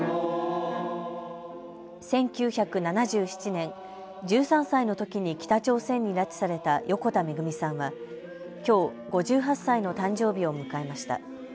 １９７７年、１３歳のときに北朝鮮に拉致された横田めぐみさんはきょう、５８歳の誕生日を迎えました。